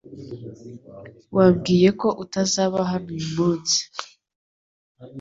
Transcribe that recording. Wambwiye ko utazaba hano uyu munsi .